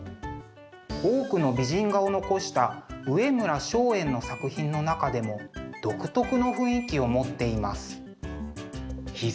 多くの美人画を残した上村松園の作品の中でも独特の雰囲気を持っています。